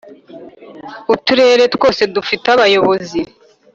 uturere twose dufite abayobozi